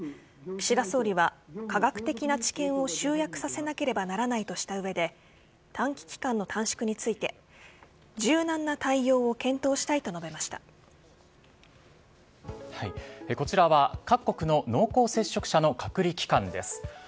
岸田総理は科学的な知見を集約させなければならないとした上で待機期間の短縮について柔軟な対応をこちらは各国の濃厚接触者の隔離期間です。